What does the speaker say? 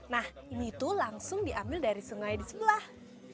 nah ini tuh langsung diambil dari sungai di sebelah